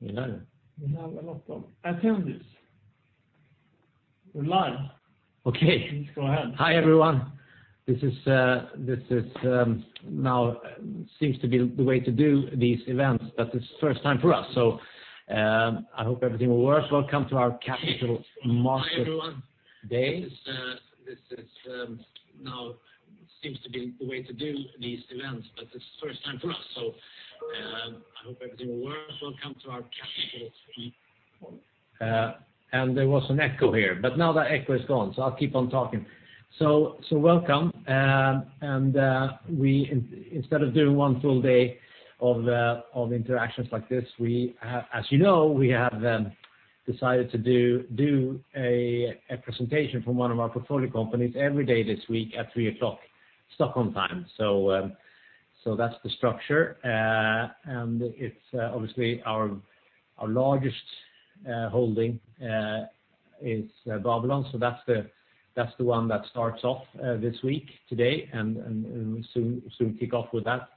We know. We know a lot of attendees. We're live. Okay. Please go ahead. Hi, everyone. Welcome to our Capital Market- Hi, everyone Day. This now seems to be the way to do these events, but it's the first time for us, so I hope everything will work. Welcome to our Capital Week. There was an echo here, but now that echo is gone. I'll keep on talking. Welcome, and instead of doing one full day of interactions like this, as you know, we have then decided to do a presentation from one of our portfolio companies every day this week at 3:00 Stockholm time. That's the structure. It's obviously our largest holding is Babylon, so that's the one that starts off this week today, and we'll soon kick off with that.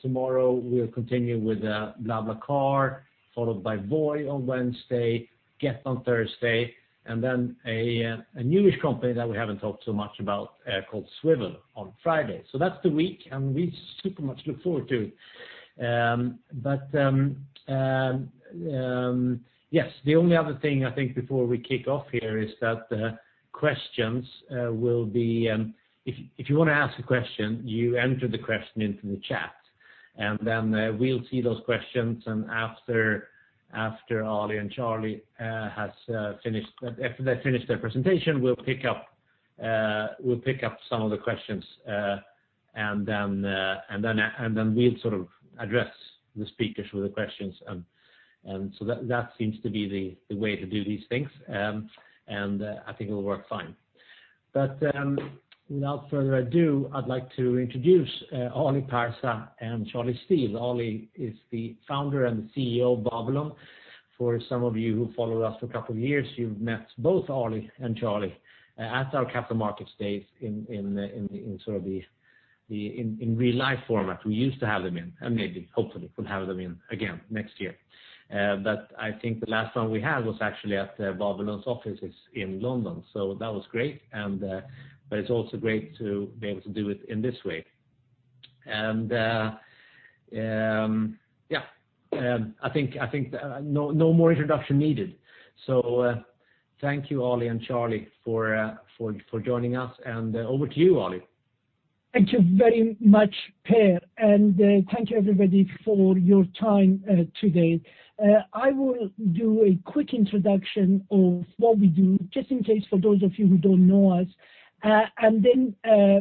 Tomorrow we'll continue with BlaBlaCar, followed by Voi on Wednesday, Gett on Thursday, and then a newish company that we haven't talked so much about, called Swvl, on Friday. That's the week, and we super much look forward to it. Yes, the only other thing I think before we kick off here is that if you want to ask a question, you enter the question into the chat, and then we'll see those questions, and after Ali and Charlie has finished their presentation, we'll pick up some of the questions, and then we'll sort of address the speakers with the questions. That seems to be the way to do these things, and I think it'll work fine. Without further ado, I'd like to introduce Ali Parsa and Charlie Steel. Ali is the Founder and Chief Executive Officer of Babylon. For some of you who followed us for a couple of years, you've met both Ali and Charlie at our Capital Markets Day in sort of the real-life format we used to have them in, and maybe, hopefully, we'll have them in again next year. I think the last one we had was actually at Babylon’s offices in London, so that was great, but it's also great to be able to do it in this way. Yeah. I think no more introduction needed. Thank you Ali and Charlie for joining us, and over to you, Ali. Thank you very much, Per, and thank you everybody for your time today. I will do a quick introduction of what we do, just in case for those of you who don't know us, and then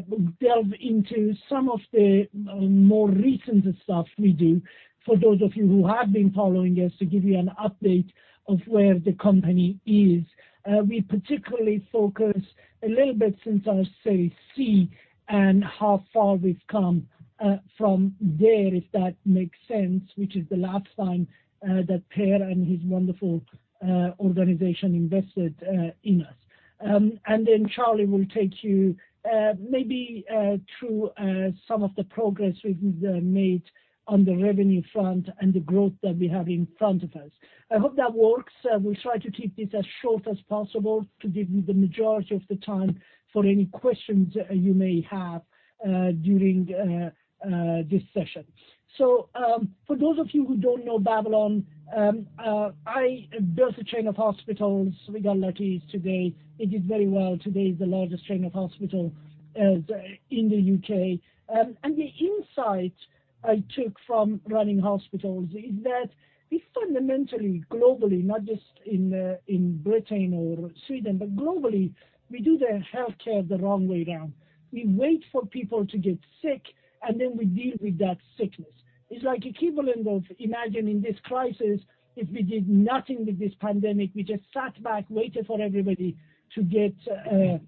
we'll delve into some of the more recent stuff we do, for those of you who have been following us, to give you an update of where the company is. We particularly focus a little bit since our Series C and how far we've come from there, if that makes sense, which is the last time that Per and his wonderful organization invested in us. Charlie will take you maybe through some of the progress we've made on the revenue front and the growth that we have in front of us. I hope that works. We'll try to keep this as short as possible to give you the majority of the time for any questions you may have during this session. For those of you who don't know Babylon, I built a chain of hospitals, Regal arteries, today. It did very well. Today, it's the largest chain of hospital in the U.K. The insight I took from running hospitals is that we fundamentally, globally, not just in Britain or Sweden, but globally, we do the healthcare the wrong way around. We wait for people to get sick, and then we deal with that sickness. It's like equivalent of imagining this crisis, if we did nothing with this pandemic, we just sat back, waited for everybody to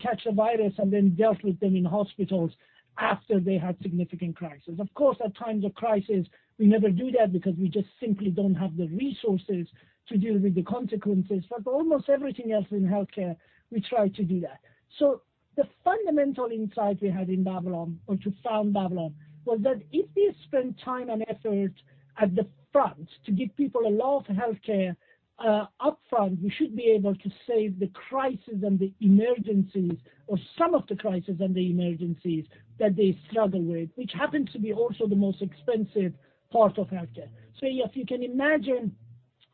catch a virus, and then dealt with them in hospitals after they had significant crisis. At times of crisis, we never do that because we just simply don't have the resources to deal with the consequences. Almost everything else in healthcare, we try to do that. The fundamental insight we had in Babylon, or to found Babylon, was that if we spend time and effort at the front to give people a lot of healthcare upfront, we should be able to save the crisis and the emergencies or some of the crisis and the emergencies that they struggle with, which happen to be also the most expensive part of healthcare. Yes, you can imagine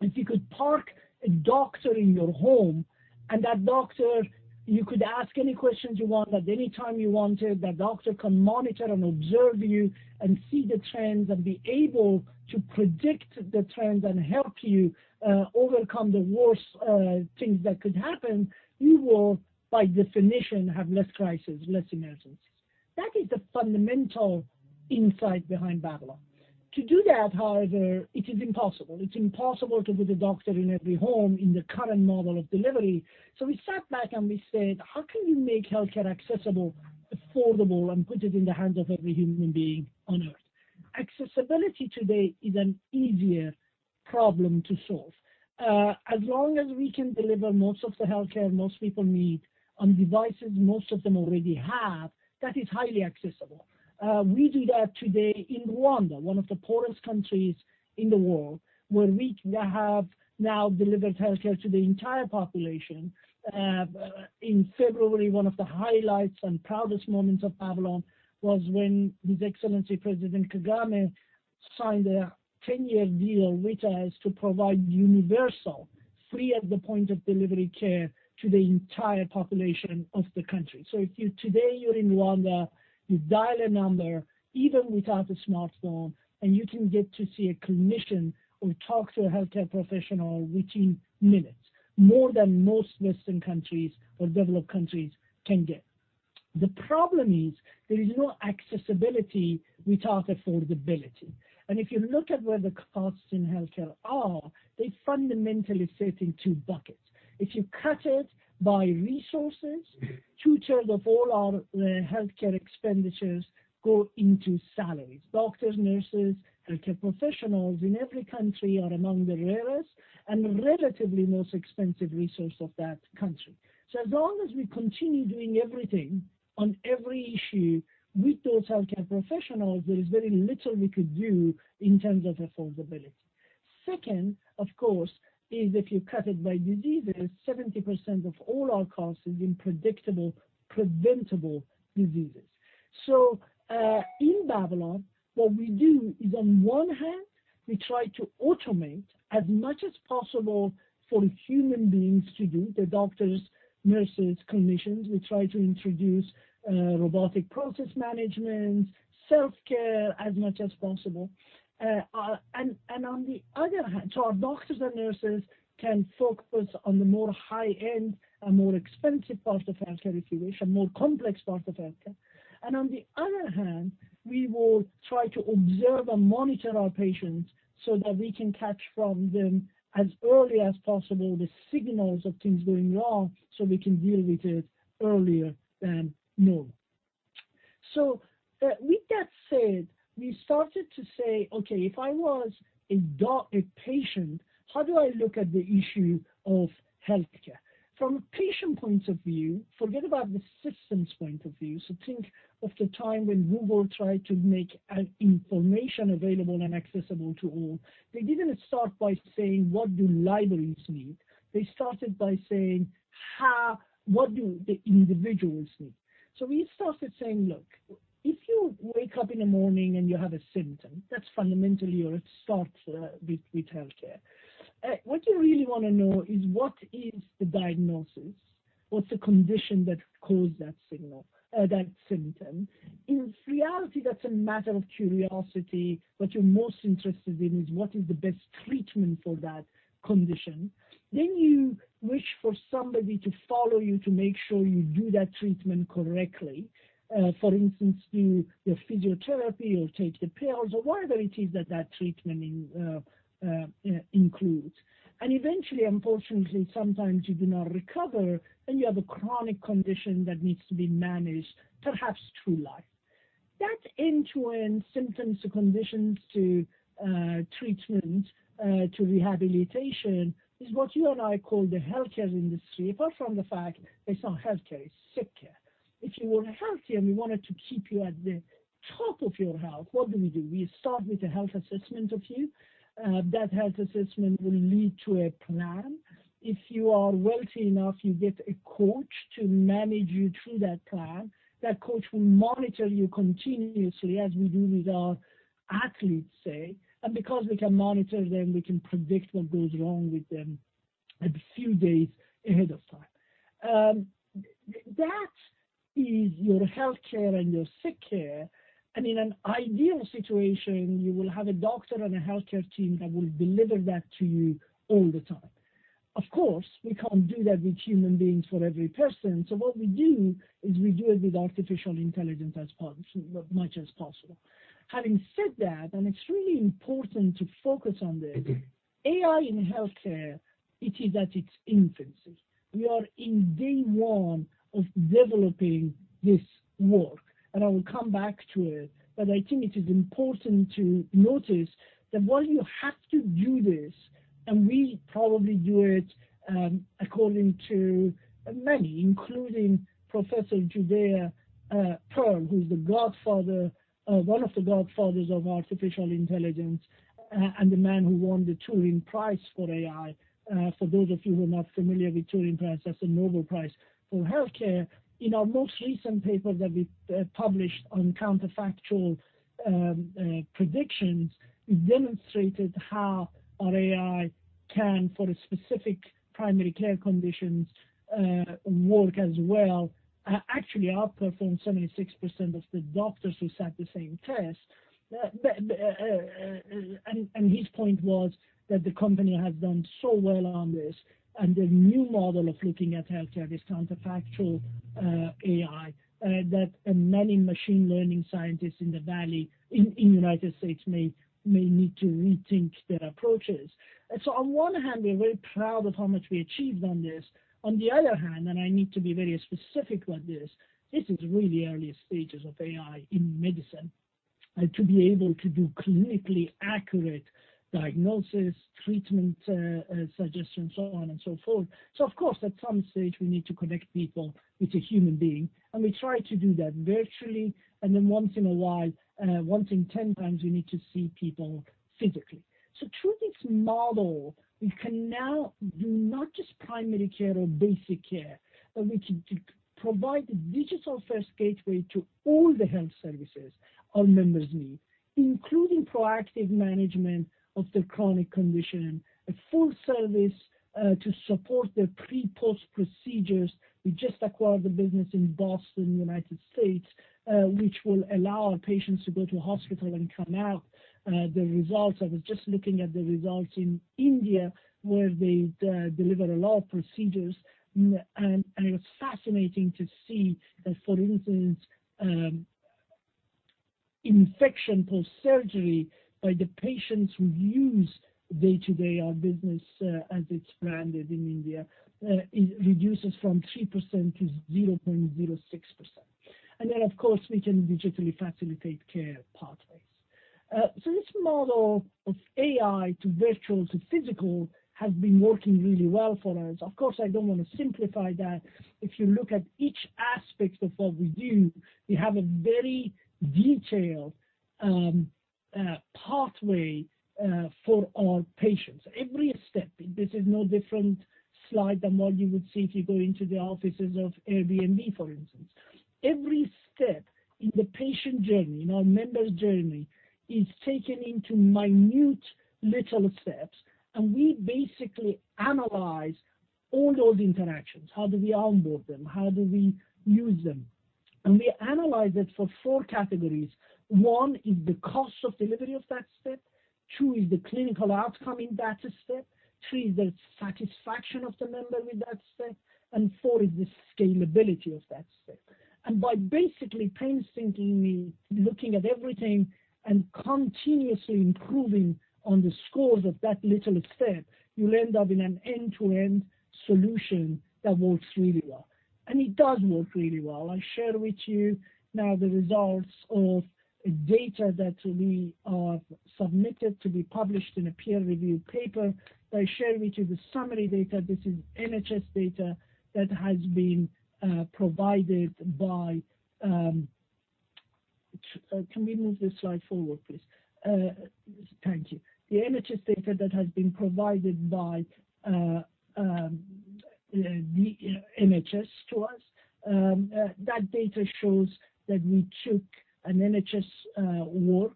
if you could park a doctor in your home, and that doctor, you could ask any questions you want at any time you wanted. That doctor can monitor and observe you and see the trends and be able to predict the trends and help you overcome the worst things that could happen. You will, by definition, have less crisis, less emergencies. That is the fundamental insight behind Babylon. To do that, however, it is impossible. It's impossible to put a doctor in every home in the current model of delivery. We sat back and we said, "How can you make healthcare accessible, affordable, and put it in the hands of every human being on Earth?" Accessibility today is an easier problem to solve. As long as we can deliver most of the healthcare most people need on devices most of them already have, that is highly accessible. We do that today in Rwanda, one of the poorest countries in the world, where we have now delivered healthcare to the entire population. In February, one of the highlights and proudest moments of Babylon was when His Excellency President Kagame signed a 10-year deal with us to provide universal, free at the point of delivery care to the entire population of the country. If today you're in Rwanda, you dial a number, even without a smartphone, and you can get to see a clinician or talk to a healthcare professional within minutes, more than most Western countries or developed countries can get. The problem is there is no accessibility without affordability. If you look at where the costs in healthcare are, they fundamentally sit in two buckets. If you cut it by resources, two-thirds of all our healthcare expenditures go into salaries. Doctors, nurses, healthcare professionals in every country are among the rarest and relatively most expensive resource of that country. As long as we continue doing everything on every issue with those healthcare professionals, there is very little we could do in terms of affordability. Second, of course, is if you cut it by diseases, 70% of all our costs is in predictable, preventable diseases. In Babylon, what we do is on one hand, we try to automate as much as possible for human beings to do, the doctors, nurses, clinicians. We try to introduce robotic process automation, self-care as much as possible. Our doctors and nurses can focus on the more high-end and more expensive parts of healthcare, if you wish, and more complex parts of healthcare. On the other hand, we will try to observe and monitor our patients so that we can catch from them as early as possible the signals of things going wrong, so we can deal with it earlier than normal. With that said, we started to say, okay, if I was a patient, how do I look at the issue of healthcare? From a patient point of view, forget about the systems point of view. Think of the time when Google tried to make information available and accessible to all. They didn't start by saying, what do libraries need? They started by saying, what do the individuals need? We started saying, look, if you wake up in the morning and you have a symptom, that's fundamentally where it starts with healthcare. What you really want to know is what is the diagnosis? What's the condition that caused that symptom? In reality, that's a matter of curiosity. What you're most interested in is what is the best treatment for that condition. You wish for somebody to follow you to make sure you do that treatment correctly. For instance, do your physiotherapy or take the pills or whatever it is that that treatment includes. Eventually, unfortunately, sometimes you do not recover, and you have a chronic condition that needs to be managed perhaps through life. That end-to-end symptoms to conditions to treatment to rehabilitation is what you and I call the healthcare industry, apart from the fact it's not healthcare, it's sick care. If you were healthy and we wanted to keep you at the top of your health, what do we do? We start with a health assessment of you. That health assessment will lead to a plan. If you are wealthy enough, you get a coach to manage you through that plan. That coach will monitor you continuously as we do with our athletes, say. Because we can monitor them, we can predict what goes wrong with them a few days ahead of time. That is your healthcare and your sick care, in an ideal situation, you will have a doctor and a healthcare team that will deliver that to you all the time. Of course, we can't do that with human beings for every person, what we do is we do it with artificial intelligence as much as possible. Having said that, it's really important to focus on this, AI in healthcare, it is at its infancy. We are in day one of developing this work, and I will come back to it, but I think it is important to notice that while you have to do this, and we probably do it according to many, including Professor Judea Pearl, who's one of the godfathers of artificial intelligence, and the man who won the Turing Award for AI. For those of you who are not familiar with Turing Award, that's a Nobel Prize for healthcare. In our most recent paper that we published on counterfactual predictions, we demonstrated how our AI can, for specific primary care conditions, work as well, actually outperformed 76% of the doctors who sat the same test. His point was that the company has done so well on this, and the new model of looking at healthcare is counterfactual AI, that many machine learning scientists in the Valley, in the U.S. may need to rethink their approaches. On one hand, we're very proud of how much we achieved on this. On the other hand, and I need to be very specific about this is really early stages of AI in medicine. To be able to do clinically accurate diagnosis, treatment suggestions, so on and so forth. Of course, at some stage we need to connect people with a human being, and we try to do that virtually. Then once in a while, once in 10 times, we need to see people physically. Through this model, we can now do not just primary care or basic care, but we can provide a digital-first gateway to all the health services our members need, including proactive management of their chronic condition, a full service to support their pre/post procedures. We just acquired the business in Boston, U.S., which will allow our patients to go to a hospital and come out. The results, I was just looking at the results in India, where they deliver a lot of procedures, and it was fascinating to see that, for instance, infection post-surgery by the patients who use day-to-day our business as it's branded in India, it reduces from 3% to 0.06%. Of course, we can digitally facilitate care pathways. This model of AI to virtual to physical has been working really well for us. Of course, I don't want to simplify that. If you look at each aspect of what we do, we have a very detailed pathway for our patients. Every step, this is no different slide than what you would see if you go into the offices of Airbnb, for instance. Every step in the patient journey, in our member's journey, is taken into minute little steps. We basically analyze all those interactions. How do we onboard them? How do we use them? We analyze it for four categories. One is the cost of delivery of that step. Two is the clinical outcome in that step. Three is the satisfaction of the member with that step. Four is the scalability of that step. By basically painstakingly looking at everything and continuously improving on the scores of that little step, you'll end up in an end-to-end solution that works really well. It does work really well. I share with you now the results of data that we have submitted to be published in a peer-reviewed paper. I share with you the summary data. This is NHS data that has been provided. Can we move the slide forward, please? Thank you. The NHS data that has been provided by the NHS to us, that data shows that we took an NHS work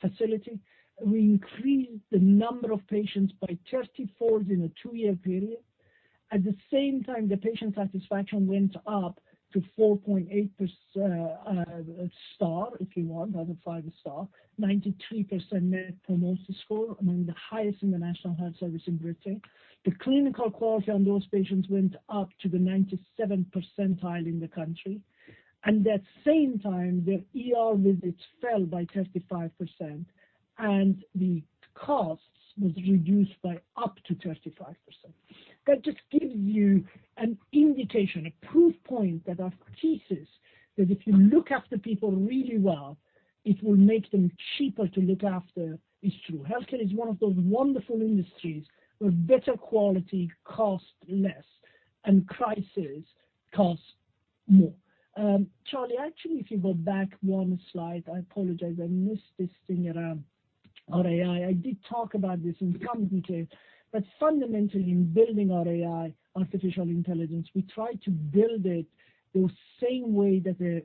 facility. We increased the number of patients by 30 folds in a two-year period. At the same time, the patient satisfaction went up to 4.8 star, if you want, out of five star. 93% Net Promoter Score, among the highest in the National Health Service in Britain. The clinical quality on those patients went up to the 97 percentile in the country. That same time, their ER visits fell by 35%, and the costs was reduced by up to 35%. That just gives you an indication, a proof point that our thesis, that if you look after people really well, it will make them cheaper to look after, is true. Healthcare is one of those wonderful industries where better quality costs less, and crisis costs more. Charlie, actually, if you go back one slide. I apologize. I missed this thing around our AI. I did talk about this in some detail. Fundamentally, in building our AI, artificial intelligence, we try to build it the same way that the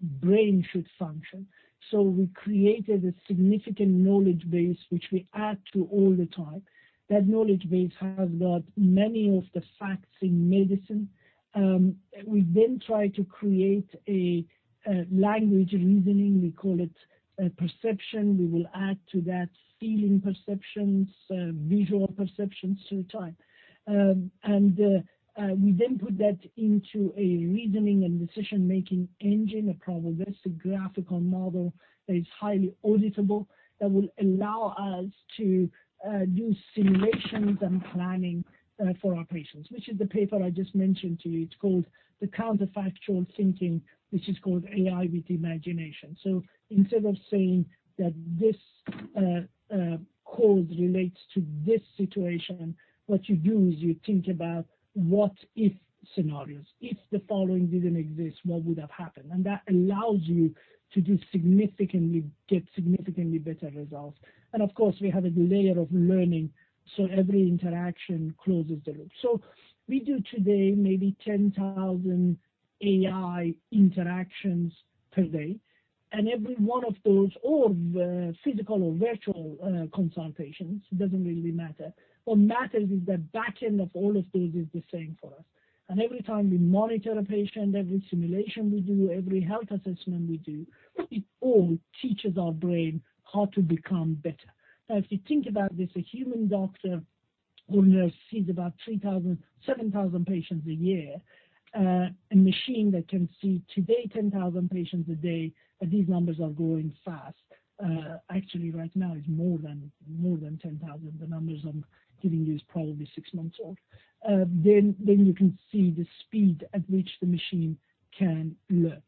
brain should function. We created a significant knowledge base, which we add to all the time. That knowledge base has got many of the facts in medicine. We try to create a language reasoning. We call it perception. We will add to that feeling perceptions, visual perceptions through time. We then put that into a reasoning and decision-making engine, a probabilistic graphical model that is highly auditable, that will allow us to do simulations and planning for our patients, which is the paper I just mentioned to you. It's called the counterfactual thinking, which is called AI with imagination. Instead of saying that this code relates to this situation, what you do is you think about what if scenarios. If the following didn't exist, what would have happened? That allows you to get significantly better results. Of course, we have a layer of learning, so every interaction closes the loop. We do today maybe 10,000 AI interactions per day, and every one of those, all of the physical or virtual consultations, doesn't really matter. What matters is the back end of all of those is the same for us. Every time we monitor a patient, every simulation we do, every health assessment we do, it all teaches our brain how to become better. If you think about this, a human doctor or nurse sees about 3,000, 7,000 patients a year. A machine that can see today 10,000 patients a day, and these numbers are growing fast. Actually, right now, it's more than 10,000. The numbers I'm giving you is probably six months old. You can see the speed at which the machine can learn.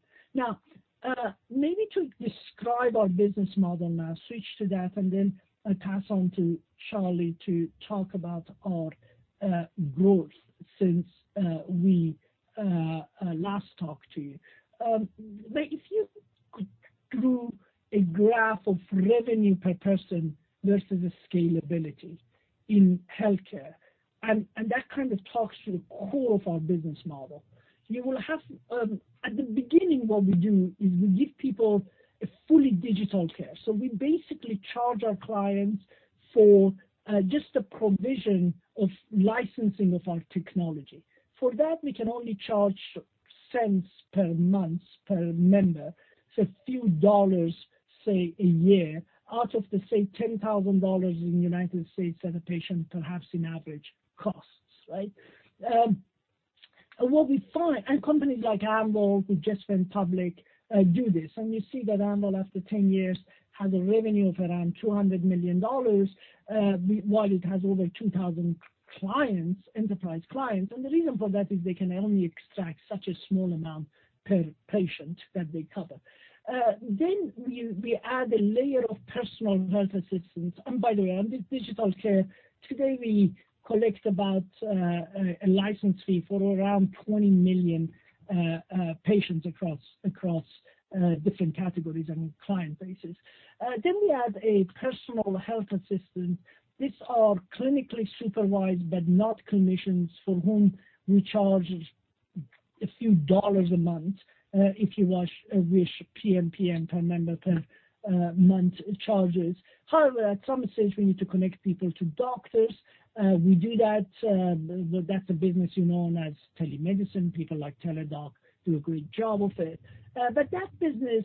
Maybe to describe our business model now, switch to that, and then pass on to Charlie to talk about our growth since we last talked to you. If you could drew a graph of revenue per person versus the scalability in healthcare, and that kind of talks to the core of our business model. At the beginning, what we do is we give people a fully digital care. We basically charge our clients for just the provision of licensing of our technology. For that, we can only charge cents per month, per member. A few dollars, say a year, out of the, say, $10,000 in United States that a patient perhaps in average costs, right? Companies like Amwell, who just went public, do this, and you see that Amwell, after 10 years, has a revenue of around $200 million, while it has over 2,000 enterprise clients. The reason for that is they can only extract such a small amount per patient that they cover. We add a layer of personal health assistance. By the way, on this digital care, today, we collect about a license fee for around 20 million patients across different categories on a client basis. We add a personal health assistant. These are clinically supervised, not clinicians, for whom we charge a few dollars a month, if you wish PMPM, per member per month charges. At some stage, we need to connect people to doctors. We do that. That's a business known as telemedicine. People like Teladoc do a great job of it. That business,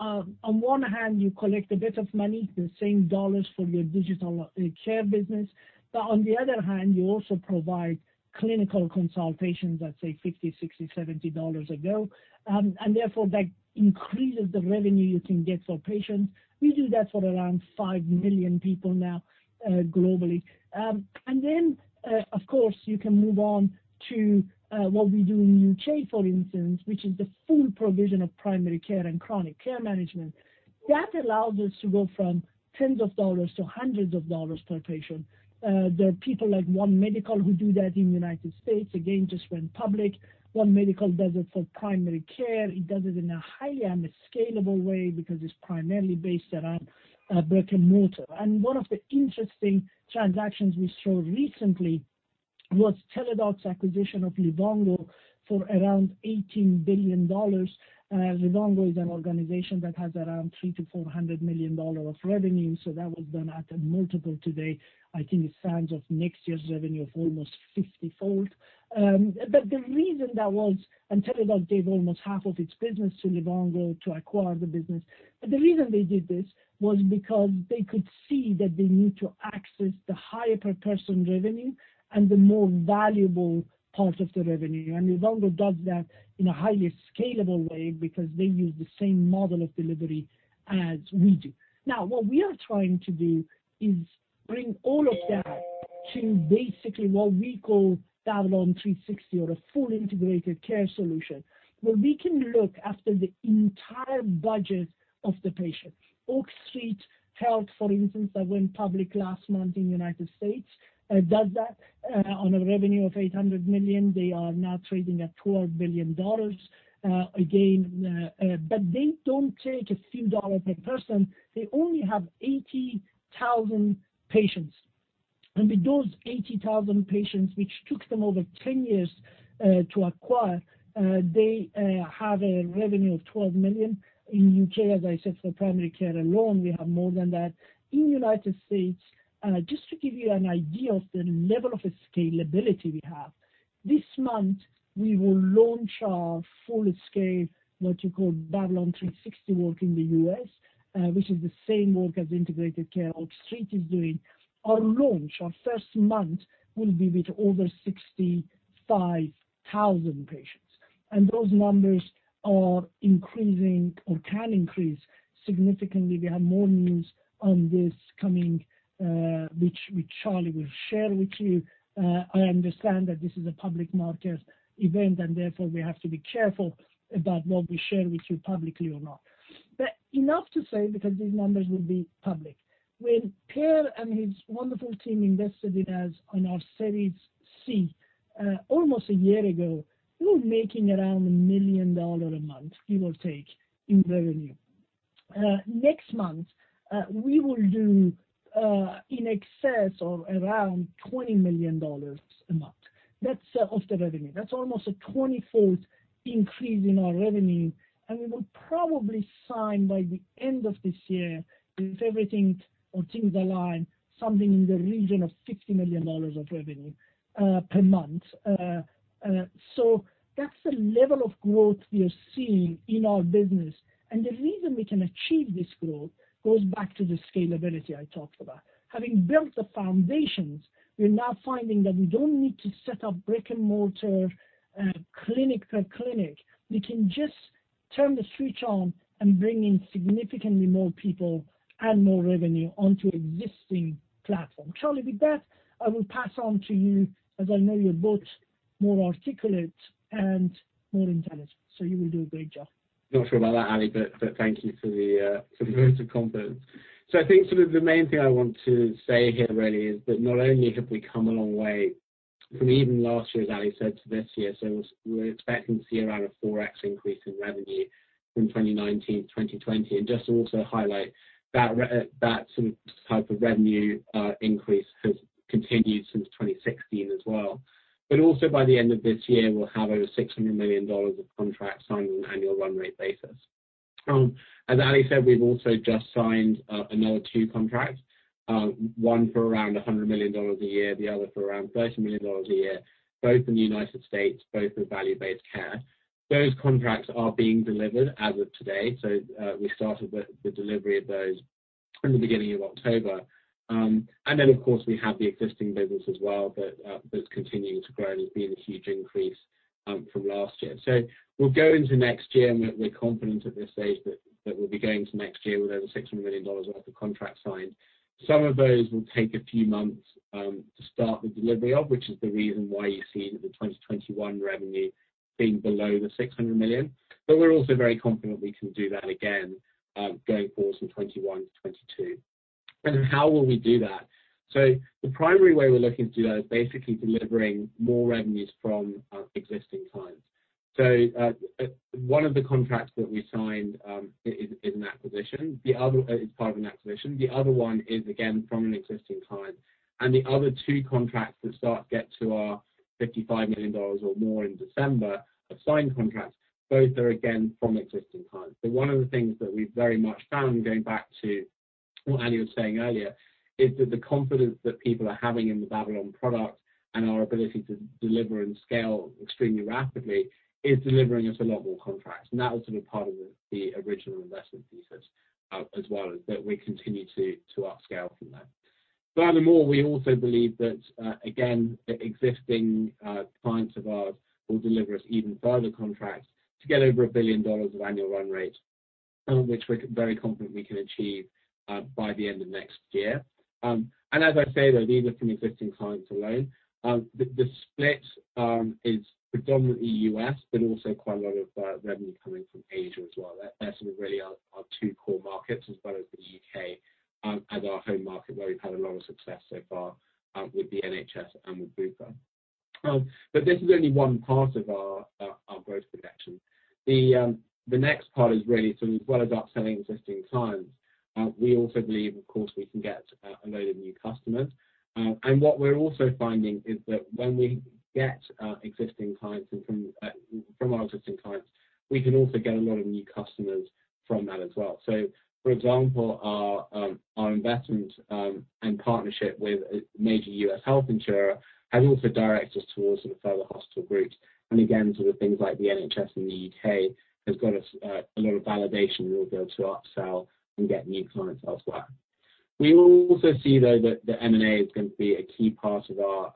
on one hand, you collect a bit of money, the same dollars for your digital care business. On the other hand, you also provide clinical consultations that, say, $50, $60, $70 a go, and therefore that increases the revenue you can get for patients. We do that for around 5 million people now globally. Of course, you can move on to what we do in the U.K., for instance, which is the full provision of primary care and chronic care management. That allows us to go from tens of dollars to hundreds of dollars per patient. There are people like One Medical who do that in the U.S., again, just went public. One Medical does it for primary care. It does it in a highly scalable way because it's primarily based around brick and mortar. One of the interesting transactions we saw recently was Teladoc's acquisition of Livongo for around $18 billion. Livongo is an organization that has around $300 million- $400 million of revenue, so that was done at a multiple today, I think it's signs of next year's revenue of almost 50-fold. Teladoc gave almost half of its business to Livongo to acquire the business. The reason they did this was because they could see that they need to access the higher per person revenue and the more valuable part of the revenue. Livongo does that in a highly scalable way because they use the same model of delivery as we do. What we are trying to do is bring all of that to basically what we call Babylon 360 or a full integrated care solution, where we can look after the entire budget of the patient. Oak Street Health, for instance, that went public last month in the U.S., does that on a revenue of $800 million. They are now trading at $12 billion. Again, they don't take a few dollars per person. They only have 80,000 patients. With those 80,000 patients, which took them over 10 years to acquire, they have a revenue of $12 million. In U.K., as I said, for primary care alone, we have more than that. In U.S., just to give you an idea of the level of scalability we have, this month, we will launch our full scale, what you call Babylon 360 work in the U.S., which is the same work as integrated care Oak Street is doing. Our launch, our first month, will be with over 65,000 patients, and those numbers are increasing or can increase significantly. We have more news on this coming, which Charlie will share with you. I understand that this is a public market event, and therefore, we have to be careful about what we share with you publicly or not. Enough to say, because these numbers will be public, when Per and his wonderful team invested in us on our Series C almost a year ago, we were making around $ 1 million a month, give or take, in revenue. Next month, we will do in excess of around $20 million a month. That's of the revenue. That's almost a 20-fold increase in our revenue, and we will probably sign by the end of this year, if everything or things align, something in the region of $50 million of revenue per month. That's the level of growth we are seeing in our business. The reason we can achieve this growth goes back to the scalability I talked about. Having built the foundations, we're now finding that we don't need to set up brick and mortar clinic per clinic. We can just turn the switch on and bring in significantly more people and more revenue onto existing platform. Charlie, with that, I will pass on to you, as I know you're both. More articulate and more intelligent. You will do a great job. Not sure about that, Ali, thank you for the vote of confidence. I think the main thing I want to say here really is that not only have we come a long way from even last year, as Ali said, to this year. We're expecting to see around a 4x increase in revenue from 2019 - 2020. Just to also highlight that type of revenue increase has continued since 2016 as well. Also by the end of this year, we'll have over $600 million of contracts signed on an annual run rate basis. As Ali said, we've also just signed another two contracts, one for around $100 million a year, the other for around $30 million a year, both in the U.S., both with value-based care. Those contracts are being delivered as of today. We started the delivery of those in the beginning of October. Of course, we have the existing business as well that's continuing to grow and has been a huge increase from last year. We'll go into next year and we're confident at this stage that we'll be going to next year with over $ 600 million worth of contracts signed. Some of those will take a few months to start the delivery of, which is the reason why you see the 2021 revenue being below the $ 600 million. We're also very confident we can do that again going forward from 2021 - 2022. How will we do that? The primary way we're looking to do that is basically delivering more revenues from existing clients. One of the contracts that we signed is an acquisition. The other is part of an acquisition. The other one is, again, from an existing client. The other two contracts that start get to our $ 55 million or more in December of signed contracts, both are again from existing clients. One of the things that we've very much found, going back to what Ali was saying earlier, is that the confidence that people are having in the Babylon product and our ability to deliver and scale extremely rapidly is delivering us a lot more contracts. That was part of the original investment thesis as well, that we continue to up-scale from there. Furthermore, we also believe that, again, existing clients of ours will deliver us even further contracts to get over $ 1 billion of annual run rate, which we're very confident we can achieve by the end of next year. As I say, though, these are from existing clients alone. The split is predominantly U.S., but also quite a lot of revenue coming from Asia as well. That's really our two core markets, as well as the U.K. and our home market, where we've had a lot of success so far with the NHS and with Bupa. This is only one part of our growth projection. The next part is really as well as upselling existing clients, we also believe, of course, we can get a load of new customers. What we're also finding is that when we get existing clients and from our existing clients, we can also get a lot of new customers from that as well. For example, our investment and partnership with a major U.S. health insurer has also directed us towards further hospital groups. Again, things like the NHS in the U.K. has got a lot of validation we'll be able to upsell and get new clients as well. We will also see, though, that the M&A is going to be a key part of our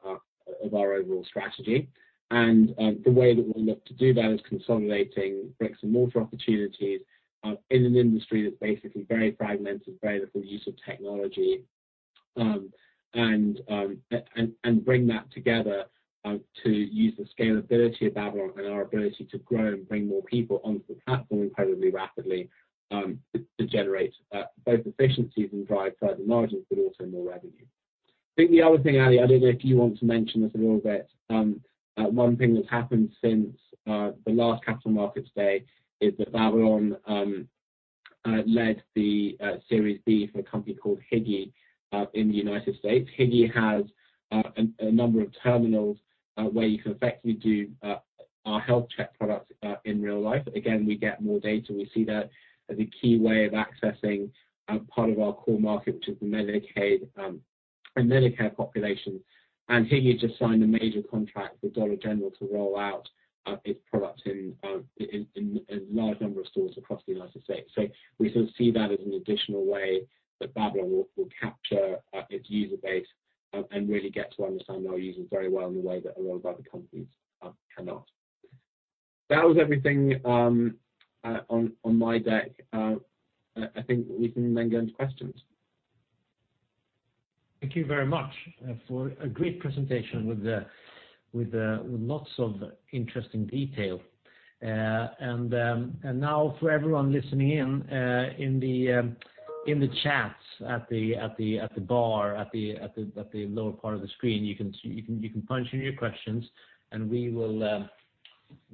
overall strategy. The way that we look to do that is consolidating bricks-and-mortar opportunities in an industry that's basically very fragmented, very little use of technology, and bring that together to use the scalability of Babylon and our ability to grow and bring more people onto the platform incredibly rapidly to generate both efficiencies and drive further margins, but also more revenue. I think the other thing, Ali, I don't know if you want to mention this a little bit. One thing that's happened since the last Capital Markets Day is that Babylon led the Series B for a company called Higi in the United States. Higi has a number of terminals where you can effectively do our health check products in real life. Again, we get more data. We see that as a key way of accessing part of our core market, which is the Medicaid and Medicare population. Higi just signed a major contract with Dollar General to roll out its product in a large number of stores across the United States. We see that as an additional way that Babylon will capture its user base and really get to understand our users very well in the way that a lot of other companies cannot. That was everything on my deck. I think we can then go into questions. Thank you very much for a great presentation with lots of interesting detail. Now for everyone listening in the chats at the bar at the lower part of the screen, you can punch in your questions and we will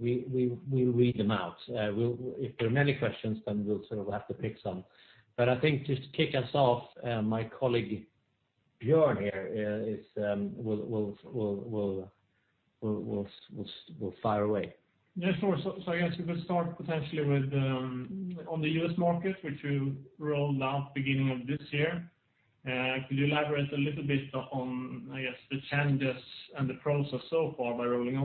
read them out. If there are many questions, then we'll have to pick some. I think just to kick us off, my colleague Björn here will fire away. Yeah, sure. I guess we could start potentially with on the U.S. market, which you rolled out beginning of this year. Could you elaborate a little bit on, I guess, the challenges and the process so far by rolling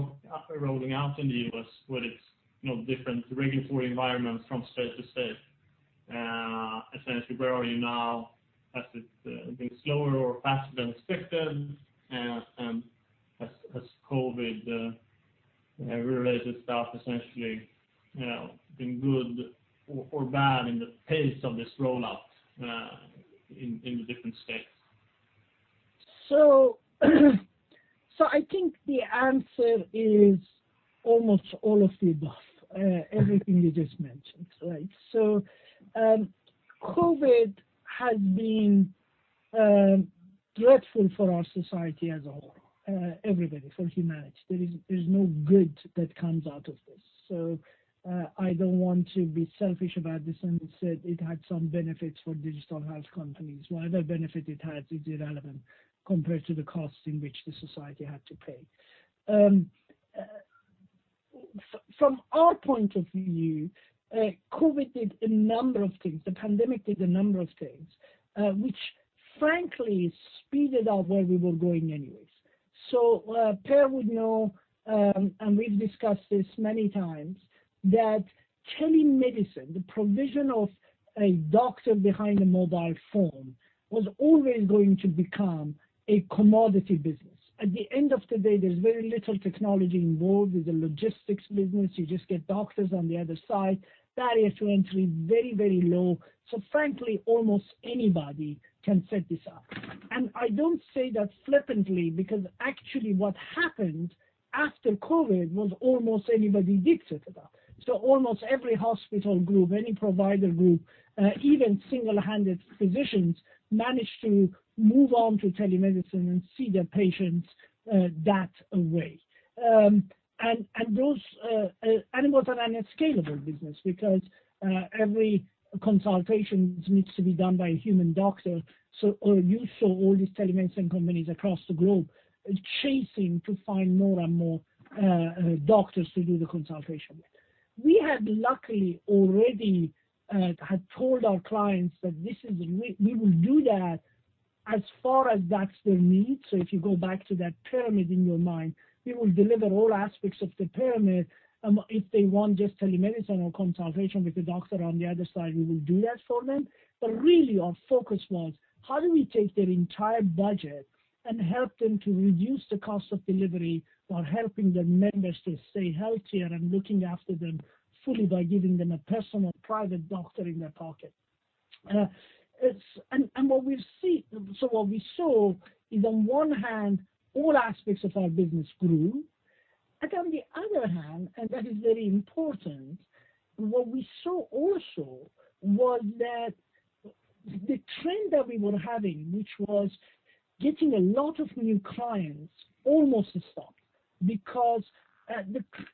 out in the U.S. with its different regulatory environments from state to state? Essentially, where are you now? Has it been slower or faster than expected? Has COVID. Related stuff essentially been good or bad in the pace of this rollout in the different states. I think the answer is almost all of the above. Everything you just mentioned, right? COVID has been dreadful for our society as a whole, everybody, for humanity. There's no good that comes out of this. I don't want to be selfish about this and say it had some benefits for digital health companies. Whatever benefit it had is irrelevant compared to the costs in which the society had to pay. From our point of view, COVID did a number of things. The pandemic did a number of things, which frankly speeded up where we were going anyways. Per would know, and we've discussed this many times, that telemedicine, the provision of a doctor behind a mobile phone, was always going to become a commodity business. At the end of the day, there's very little technology involved with the logistics business. You just get doctors on the other side. Barrier to entry, very, very low. Frankly, almost anybody can set this up. I don't say that flippantly, because actually what happened after COVID was almost anybody did set it up. Almost every hospital group, any provider group, even single-handed physicians, managed to move on to telemedicine and see their patients that way. It was an unscalable business because every consultation needs to be done by a human doctor. You saw all these telemedicine companies across the globe chasing to find more and more doctors to do the consultation. We had luckily already had told our clients that we will do that as far as that's their need. If you go back to that pyramid in your mind, we will deliver all aspects of the pyramid. If they want just telemedicine or consultation with the doctor on the other side, we will do that for them. Really, our focus was how do we take their entire budget and help them to reduce the cost of delivery while helping their members to stay healthier and looking after them fully by giving them a personal private doctor in their pocket? What we saw is on one hand, all aspects of our business grew, and on the other hand, and that is very important, what we saw also was that the trend that we were having, which was getting a lot of new clients, almost stopped.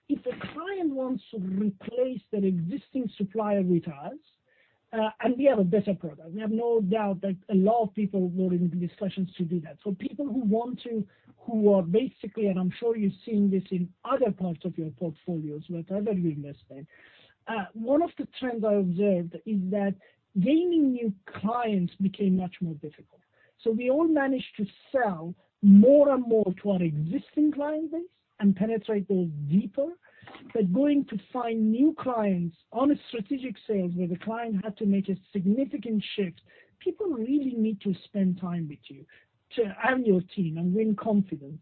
If a client wants to replace their existing supplier with us, and we have a better product, we have no doubt that a lot of people were in discussions to do that. People who want to, who are basically, and I'm sure you've seen this in other parts of your portfolios with other investments, one of the trends I observed is that gaining new clients became much more difficult. We all managed to sell more and more to our existing client base and penetrate those deeper. Going to find new clients on a strategic sales where the client had to make a significant shift, people really need to spend time with you, to earn your team and win confidence.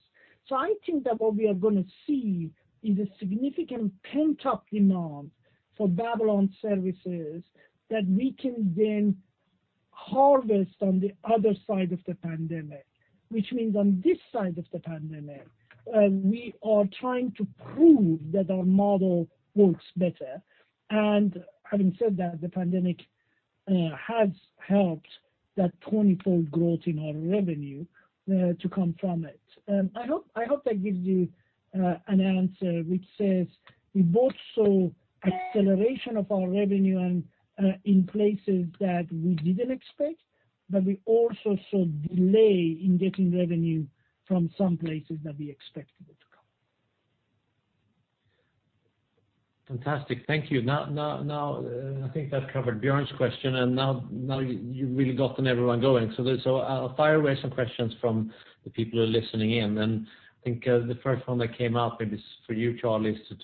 I think that what we are going to see is a significant pent-up demand for Babylon services that we can then harvest on the other side of the pandemic. Which means on this side of the pandemic, we are trying to prove that our model works better. Having said that, the pandemic has helped that 20-fold growth in our revenue to come from it. I hope that gives you an answer which says we both saw acceleration of our revenue and in places that we didn't expect, but we also saw delay in getting revenue from some places that we expected it to come. Fantastic. Thank you. Now, I think that covered Björn's question. Now you've really gotten everyone going. I'll fire away some questions from the people who are listening in. I think the first one that came up maybe is for you, Charlie, is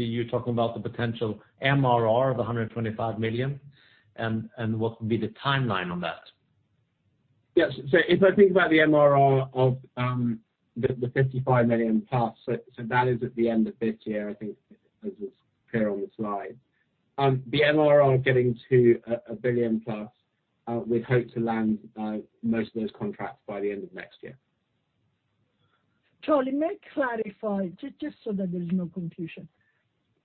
you talking about the potential MRR of $125 million. What would be the timeline on that? Yes. If I think about the MRR of the $ 55 million plus, so that is at the end of this year, I think as is clear on the slide. The MRR getting to a $ 1 billion plus, we hope to land most of those contracts by the end of next year. Charlie, may I clarify, just so that there is no confusion.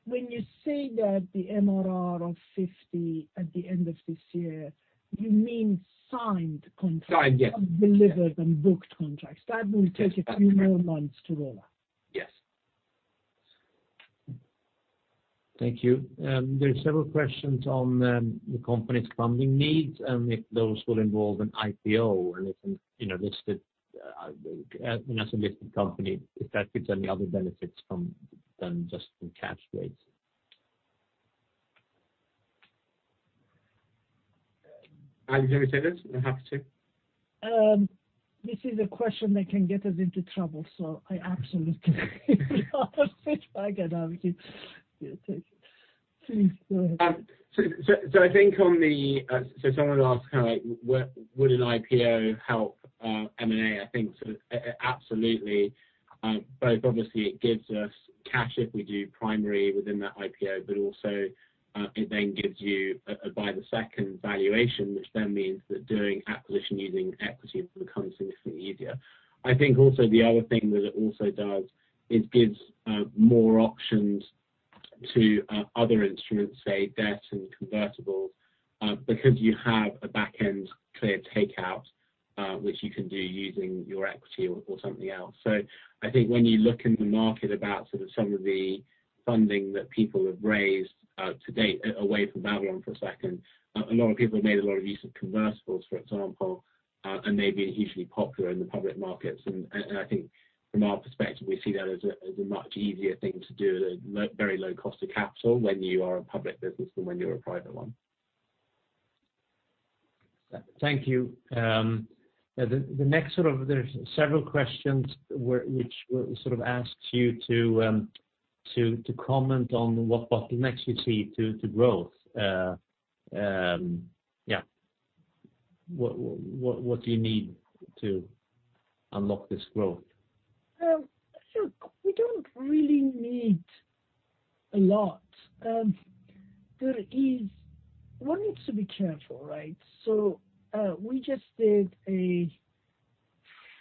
When you say that the MRR of $ 50 at the end of this year, you mean signed contracts- Signed, yes. delivered and booked contracts. That will take a few more months to roll out. Yes. Thank you. There are several questions on the company's funding needs, and if those will involve an IPO and as a listed company, if that gives any other benefits than just in cash rates. Ali, do you want to take this? I'm happy to. This is a question that can get us into trouble, so I absolutely will pass it back. You take it. Someone asked how would an IPO help M&A? I think absolutely. Both obviously it gives us cash if we do primary within that IPO, but also it then gives you a by-the-second valuation, which then means that doing acquisition using equity becomes significantly easier. I think also the other thing that it also does is gives more options to other instruments, say debt and convertibles because you have a back end clear takeout which you can do using your equity or something else. I think when you look in the market about sort of some of the funding that people have raised to date away from Babylon for a second, a lot of people have made a lot of use of convertibles, for example, and they've been hugely popular in the public markets. I think from our perspective, we see that as a much easier thing to do at a very low cost of capital when you are a public business than when you're a private one. Thank you. The next sort of, there's several questions which sort of asks you to comment on what bottlenecks you see to growth. Yeah. What do you need to unlock this growth? Look, we don't really need a lot. One needs to be careful, right? We just did a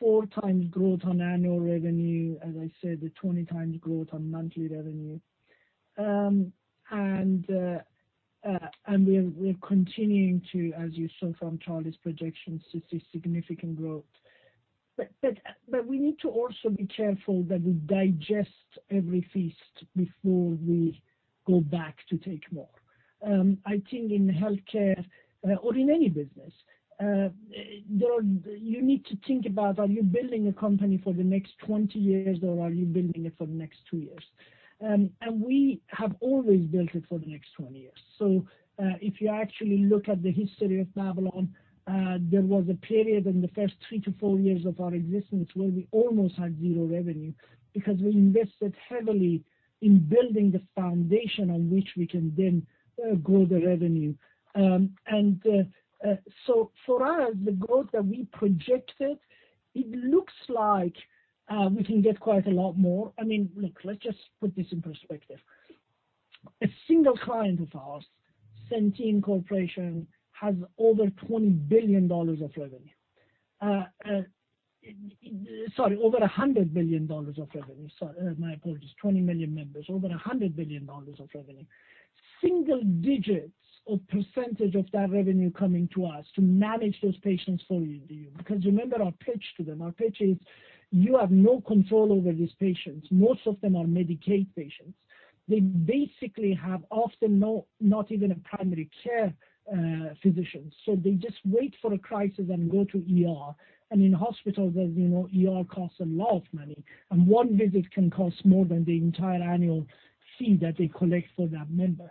4x growth on annual revenue, as I said, the 20x growth on monthly revenue. We are continuing to, as you saw from Charlie's projections, to see significant growth. We need to also be careful that we digest every feast before we go back to take more. I think in healthcare or in any business, you need to think about are you building a company for the next 20 years or are you building it for the next two years? We have always built it for the next 20 years. If you actually look at the history of Babylon, there was a period in the first three to four years of our existence where we almost had zero revenue because we invested heavily in building the foundation on which we can then grow the revenue. For us, the growth that we projected, it looks like we can get quite a lot more. I mean, look, let's just put this in perspective. A single client of ours, Centene Corporation, has over $ 20 billion of revenue. Sorry, over $ 100 billion of revenue. My apologies, 20 million members, over $ 100 billion of revenue. Single digits of % of that revenue coming to us to manage those patients for you, because remember our pitch to them. Our pitch is you have no control over these patients. Most of them are Medicaid patients. They basically have often not even a primary care physician. They just wait for a crisis and go to ER. In hospitals, as you know, ER costs a lot of money, and one visit can cost more than the entire annual fee that they collect for that member.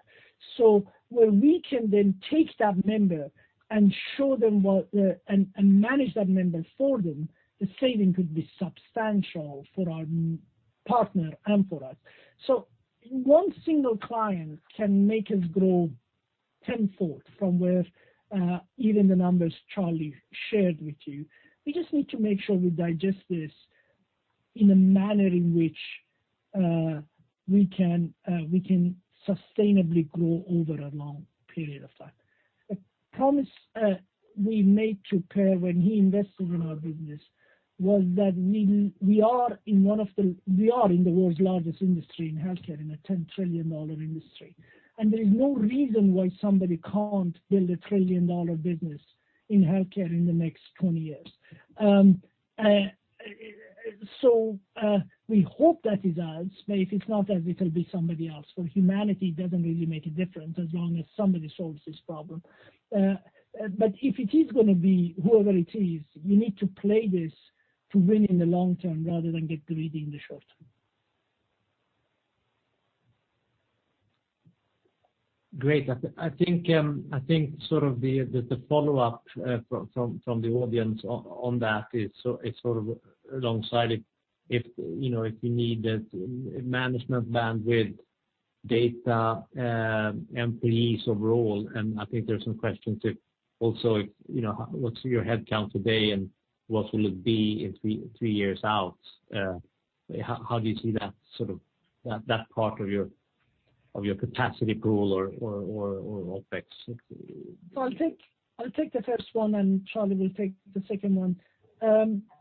Where we can then take that member and manage that member for them, the saving could be substantial for our partner and for us. One single client can make us grow tenfold from where even the numbers Charlie shared with you. We just need to make sure we digest this in a manner in which we can sustainably grow over a long period of time. A promise we made to Per when he invested in our business was that we are in the world's largest industry in healthcare, in a $10 trillion industry. There is no reason why somebody can't build a trillion-dollar business in healthcare in the next 20 years. We hope that is us, but if it's not us, it'll be somebody else. For humanity, it doesn't really make a difference as long as somebody solves this problem. If it is going to be whoever it is, you need to play this to win in the long-term rather than get greedy in the short-term. Great. I think the follow-up from the audience on that is alongside if you need management bandwidth, data, employees overall, and I think there's some questions if also what's your headcount today and what will it be in three years out? How do you see that that part of your capacity pool or OpEx? I'll take the first one, and Charlie will take the second one.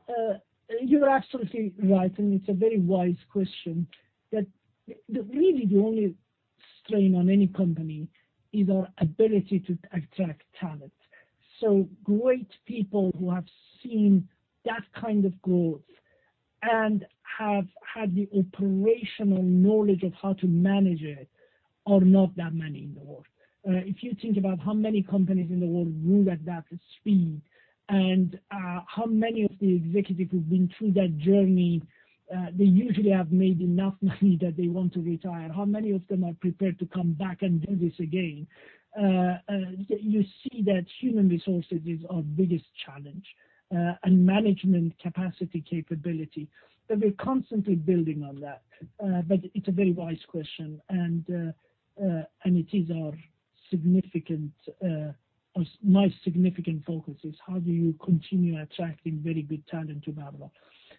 You're absolutely right, and it's a very wise question. Really the only strain on any company is our ability to attract talent. Great people who have seen that kind of growth and have had the operational knowledge of how to manage it are not that many in the world. If you think about how many companies in the world move at that speed and how many of the executives who've been through that journey, they usually have made enough money that they want to retire. How many of them are prepared to come back and do this again? You see that human resources is our biggest challenge, and management capacity capability. We're constantly building on that. It's a very wise question and my significant focus is how do you continue attracting very good talent to Babylon?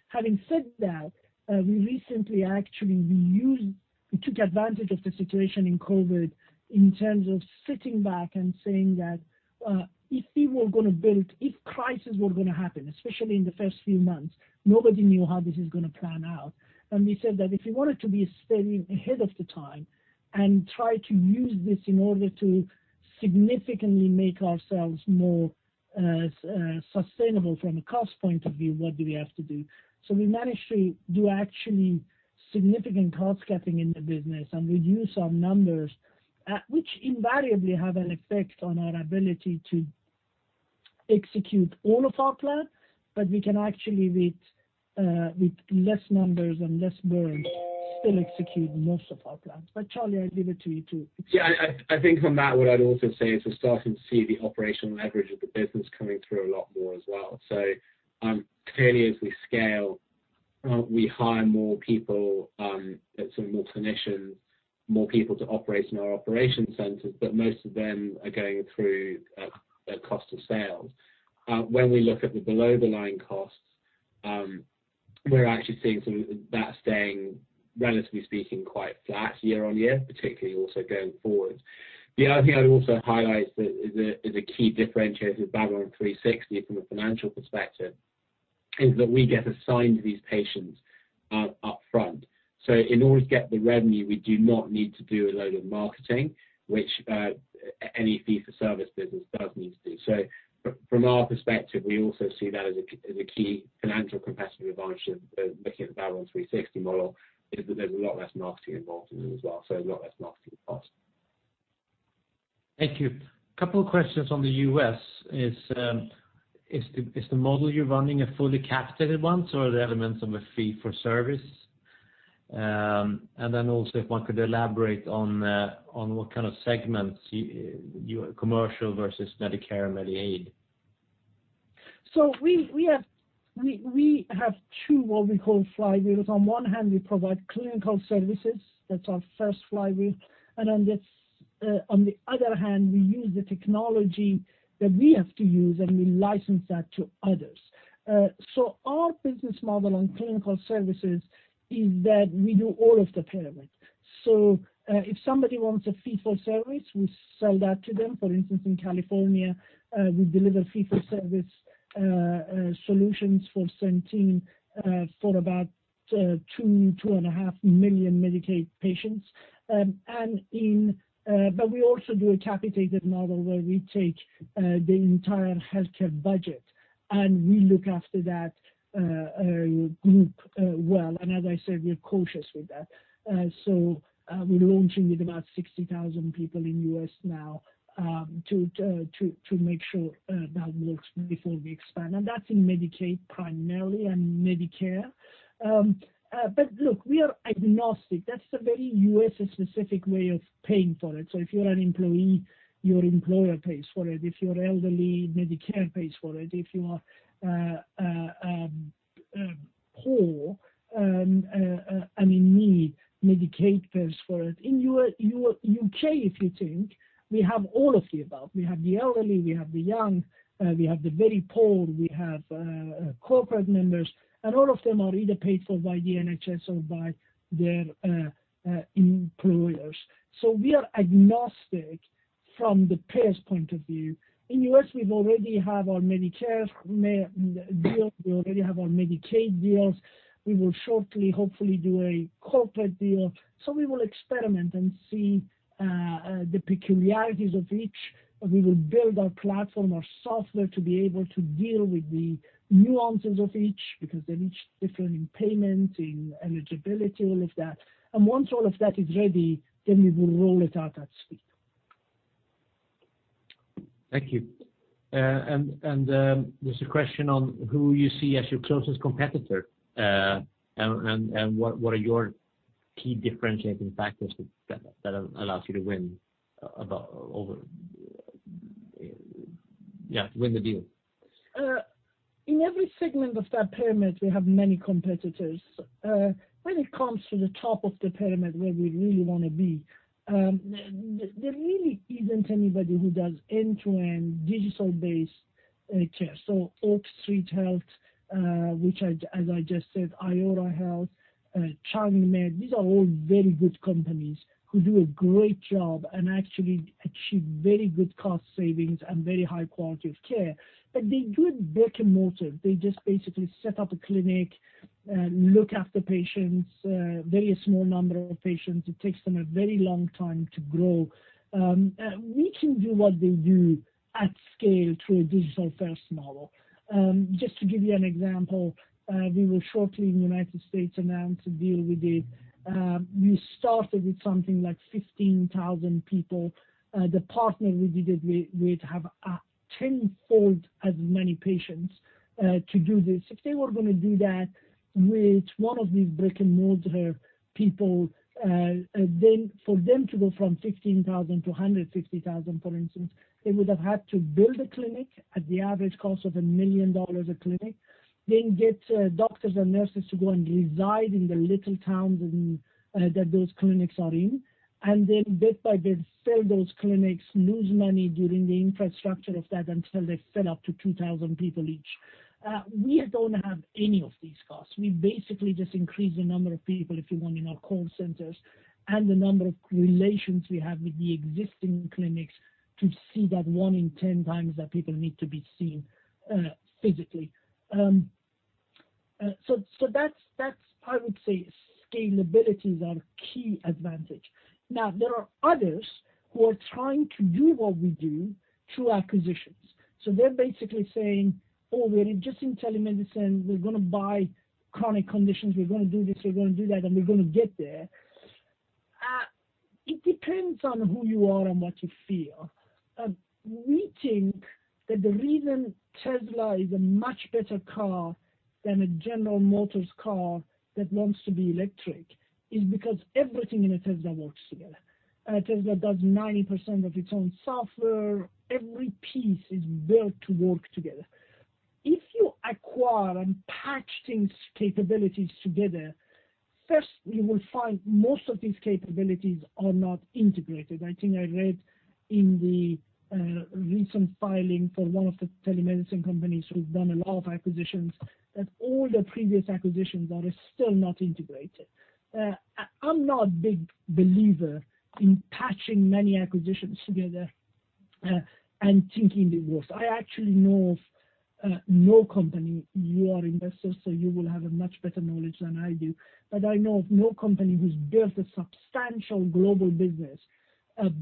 Having said that, we recently actually took advantage of the situation in COVID in terms of sitting back and saying that, if crisis were going to happen, especially in the first few months, nobody knew how this is going to pan out. We said that if we wanted to be staying ahead of the time and try to use this in order to significantly make ourselves more sustainable from a cost point of view, what do we have to do? We managed to do actually significant cost-cutting in the business, and reduce our numbers, which invariably have an effect on our ability to execute all of our plan. We can actually, with less numbers and less burn, still execute most of our plans. Charlie, I'll leave it to you to explain. I think on that what I'd also say is we're starting to see the operational leverage of the business coming through a lot more as well. Clearly as we scale, we hire more people, so more clinicians, more people to operate in our operation centers, but most of them are going through cost of sales. When we look at the below the line costs, we're actually seeing that staying, relatively speaking, quite flat year-on-year, particularly also going forward. The other thing I'd also highlight as a key differentiator of Babylon 360 from a financial perspective is that we get assigned these patients up front. In order to get the revenue, we do not need to do a load of marketing, which any fee-for-service business does need to do. From our perspective, we also see that as a key financial competitive advantage of looking at the Babylon 360 model is that there's a lot less marketing involved in it as well, a lot less marketing cost. Thank you. Couple of questions on the U.S. Is the model you are running a fully capitated one, or are there elements of a fee-for-service? Also, if one could elaborate on what kind of segments, commercial versus Medicare and Medicaid. We have two what we call flywheels. On one hand, we provide clinical services. That's our first flywheel. On the other hand, we use the technology that we have to use, and we license that to others. Our business model on clinical services is that we do all of the pyramid. If somebody wants a fee-for-service, we sell that to them. For instance, in California, we deliver fee-for-service solutions for Centene for about 2 million-2.5 million Medicaid patients. We also do a capitated model, where we take the entire healthcare budget, and we look after that group well. As I said, we're cautious with that. We're launching with about 60,000 people in U.S. now to make sure that works before we expand. That's in Medicaid primarily, and Medicare. Look, we are agnostic. That's a very U.S. specific way of paying for it. If you're an employee, your employer pays for it. If you're elderly, Medicare pays for it. If you are poor and in need, Medicaid pays for it. In U.K., if you think, we have all of the above. We have the elderly, we have the young, we have the very poor, we have corporate members, and all of them are either paid for by the NHS or by their employers. We are agnostic from the payer's point of view. In U.S. we already have our Medicare deal, we already have our Medicaid deals. We will shortly, hopefully, do a corporate deal. We will experiment and see the peculiarities of each, and we will build our platform, our software, to be able to deal with the nuances of each because they're each different in payment, in eligibility, all of that. Once all of that is ready, then we will roll it out at speed. Thank you. There's a question on who you see as your closest competitor, and what are your key differentiating factors that allows you to win the deal? In every segment of that pyramid, we have many competitors. When it comes to the top of the pyramid where we really want to be, there really isn't anybody who does end-to-end digital-based care. Oak Street Health, which as I just said, Iora Health, ChenMed, these are all very good companies who do a great job and actually achieve very good cost savings and very high quality of care. They do it brick and mortar. They just basically set up a clinic, look after patients, very small number of patients. It takes them a very long time to grow. We can do what they do at scale through a digital-first model. Just to give you an example, we will shortly in the U.S. announce a deal we did. We started with something like 15,000 people. The partner we did it with have tenfold as many patients to do this. If they were going to do that with one of these brick-and-mortar people, then for them to go from 15,000 - 150,000, for instance, they would have had to build a clinic at the average cost of $1 million a clinic, then get doctors and nurses to go and reside in the little towns that those clinics are in. Then bit by bit, fill those clinics, lose money building the infrastructure of that until they're set up to 2,000 people each. We don't have any of these costs. We basically just increase the number of people, if you want, in our call centers, and the number of relations we have with the existing clinics to see that one in 10 times that people need to be seen physically. That's, I would say, scalability is our key advantage. There are others who are trying to do what we do through acquisitions. They're basically saying, "Oh, we're just in telemedicine. We're going to buy chronic conditions. We're going to do this, we're going to do that, and we're going to get there." It depends on who you are and what you feel. We think that the reason Tesla is a much better car than a General Motors car that wants to be electric is because everything in a Tesla works together. A Tesla does 90% of its own software. Every piece is built to work together. If you acquire and patch things, capabilities together, first you will find most of these capabilities are not integrated. I think I read in the recent filing for one of the telemedicine companies who've done a lot of acquisitions, that all their previous acquisitions are still not integrated. I'm not a big believer in patching many acquisitions together and thinking it works. I actually know of no company, you are investors, so you will have a much better knowledge than I do, but I know of no company who's built a substantial global business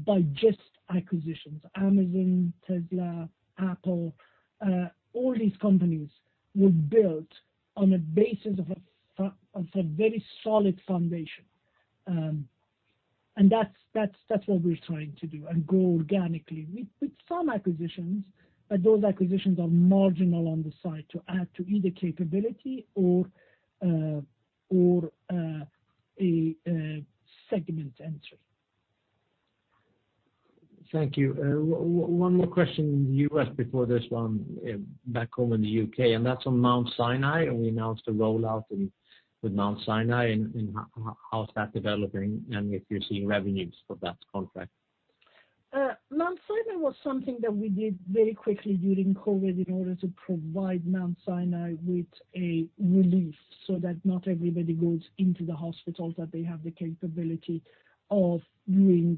by just acquisitions. Amazon, Tesla, Apple, all these companies were built on a basis of a very solid foundation. That's what we're trying to do, and grow organically. With some acquisitions, but those acquisitions are marginal on the side to add to either capability or a segment entry. Thank you. One more question in the U.S. before this one back home in the U.K., and that's on Mount Sinai, and we announced a rollout with Mount Sinai and how's that developing, and if you're seeing revenues for that contract? Mount Sinai was something that we did very quickly during COVID in order to provide Mount Sinai with a relief, so that not everybody goes into the hospital, that they have the capability of doing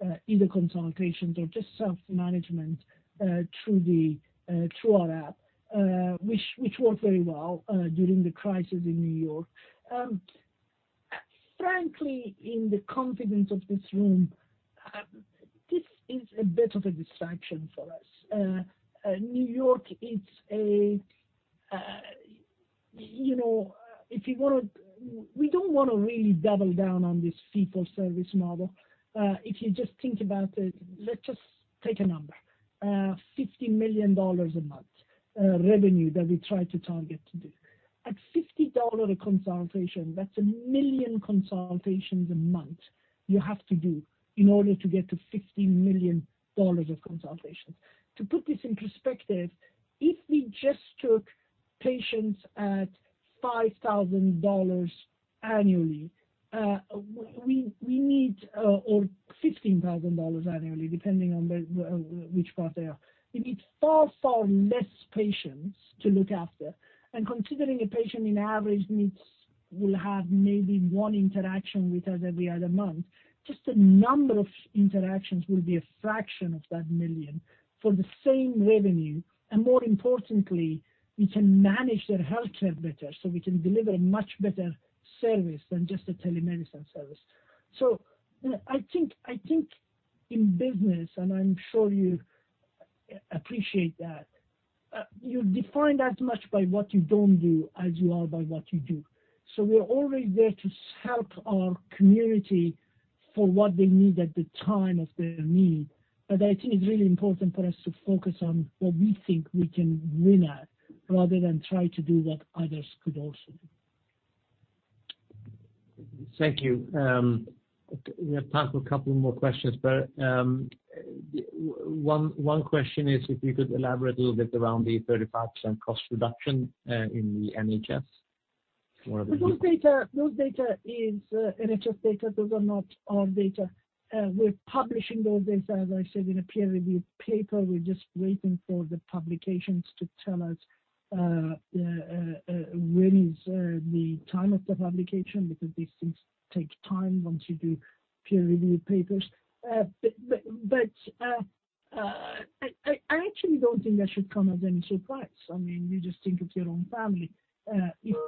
the either consultations or just self-management through our app, which worked very well during the crisis in New York. Frankly, in the confidence of this room, this is a bit of a distraction for us. New York, we don't want to really double down on this fee-for-service model. If you just think about it, let's just take a number. $50 million a month revenue that we try to target to do. At $50 a consultation, that's 1 million consultations a month you have to do in order to get to $50 million of consultations. To put this in perspective, if we just took patients at$ 5,000 annually, or $ 15,000 annually, depending on which part they are, you need far, far less patients to look after. Considering a patient on average will have maybe one interaction with us every other month, just the number of interactions will be a fraction of that million for the same revenue. More importantly, we can manage their healthcare better, so we can deliver a much better service than just a telemedicine service. I think in business, and I'm sure you appreciate that, you're defined as much by what you don't do as you are by what you do. We are always there to help our community for what they need at the time of their need. I think it's really important for us to focus on what we think we can win at rather than try to do what others could also do. Thank you. We have time for a couple more questions. One question is if you could elaborate a little bit around the 35% cost reduction in the NHS. Those data is NHS data. Those are not our data. We're publishing those data, as I said, in a peer-reviewed paper. We're just waiting for the publications to tell us when is the time of the publication, because these things take time once you do peer-reviewed papers. I actually don't think that should come as any surprise. I mean, you just think of your own family. If you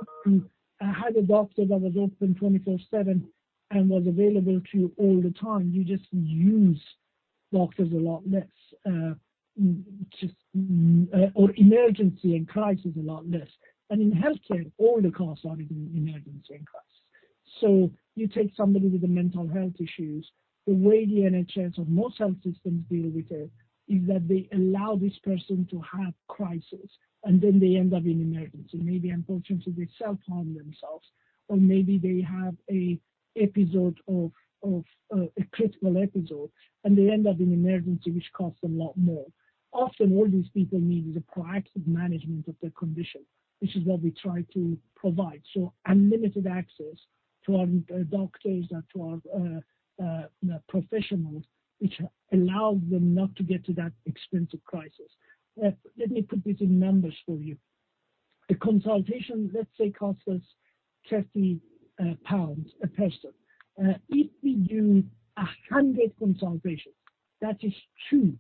had a doctor that was open 24/7 and was available to you all the time, you just use doctors a lot less. Emergency and crisis a lot less. In healthcare, all the costs are in emergency and crisis. You take somebody with the mental health issues, the way the NHS or most health systems deal with it is that they allow this person to have crisis, and then they end up in emergency. Maybe unfortunately, they self-harm themselves, or maybe they have a critical episode, and they end up in emergency, which costs a lot more. Often all these people need is a proactive management of their condition, which is what we try to provide. Unlimited access to our doctors and to our professionals, which allows them not to get to that expensive crisis. Let me put this in numbers for you. A consultation, let's say, costs us 30 pounds a person. If we do 100 consultations, that is two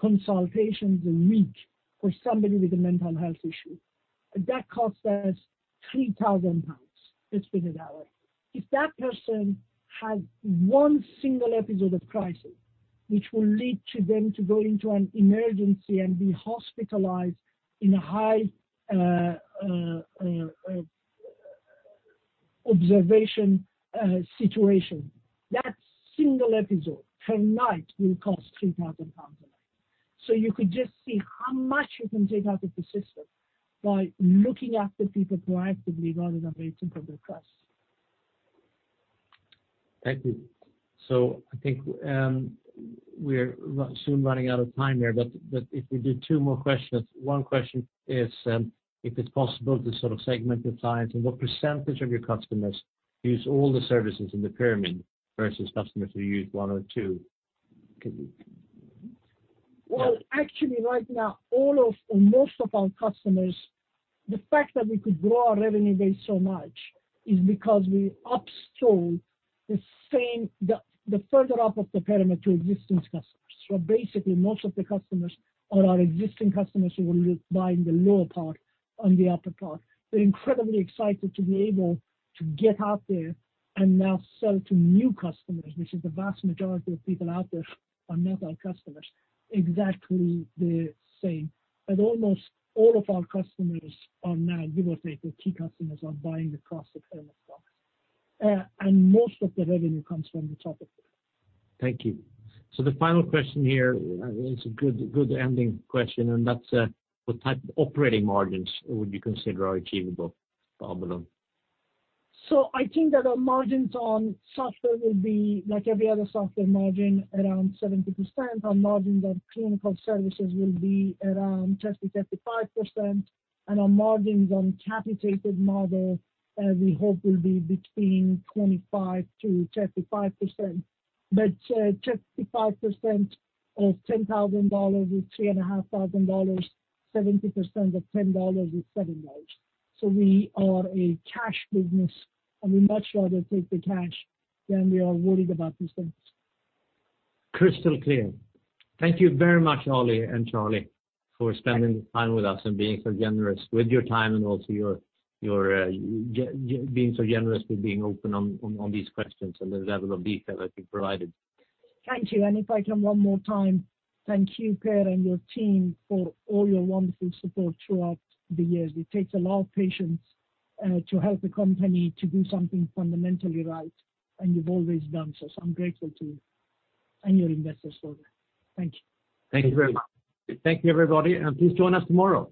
consultations a week for somebody with a mental health issue. That costs us 3,000 pounds. Let's put it that way. If that person has one single episode of crisis, which will lead to them to go into an emergency and be hospitalized in a high observation situation, that single episode per night will cost 3,000 pounds a night. You could just see how much you can take out of the system by looking after people proactively rather than waiting for the crisis. Thank you. I think we're soon running out of time here. If we do two more questions, one question is if it's possible to sort of segment the clients and what percentage of your customers use all the services in the pyramid versus customers who use one or two? Well, actually right now, most of our customers, the fact that we could grow our revenue base so much is because we up-sold the further up of the pyramid to existing customers. Basically most of the customers are our existing customers who will buy in the lower part or the upper part. We're incredibly excited to be able to get out there and now sell to new customers, which is the vast majority of people out there are not our customers, exactly the same. Almost all of our customers are now, we would say the key customers are buying across the pyramid products. Most of the revenue comes from the top of the pyramid. Thank you. The final question here, it's a good ending question, and that's what type of operating margins would you consider are achievable for Babylon? I think that our margins on software will be like every other software margin, around 70%. Our margin on clinical services will be around 30%, 35%, and our margins on capitated model, we hope will be between 25% to 35%. 35% of 10,000 dollars is 3,500 dollars, 70% of 10 dollars is 7 dollars. We are a cash business, and we'd much rather take the cash than we are worried about these things. Crystal clear. Thank you very much, Ali and Charlie, for spending time with us and being so generous with your time and also being so generous with being open on these questions and the level of detail that you provided. Thank you. If I can one more time, thank you, Per, and your team for all your wonderful support throughout the years. It takes a lot of patience to help a company to do something fundamentally right, and you've always done so. I'm grateful to you and your investors for that. Thank you. Thank you very much. Thank you, everybody, and please join us tomorrow.